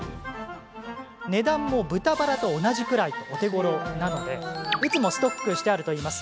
値段も豚バラと同じくらいとお手ごろなのでいつもストックしてあるといいます。